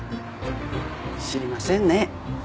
知りませんね。